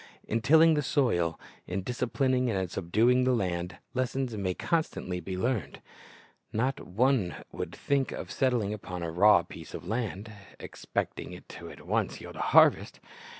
In tilling the soil, in disciplining and subduing the land, lessons may constantly be learned. No one would think of settling upon a raw piece of land, expecting it at once to yield a harvest.